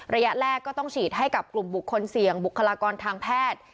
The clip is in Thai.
ระยะแรกก็ต้องฉีดให้กับกลุ่มบุคคลเสี่ยงบุคลากรทางแพทย์